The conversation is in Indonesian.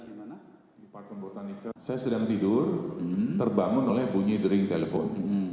saya sedang tidur terbangun oleh bunyi dering telpon